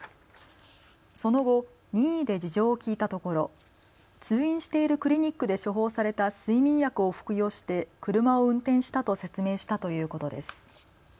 その後、任意で事情を聴いたところ通院しているクリニックで処方された睡眠薬を服用して車を運転したと説明したということです。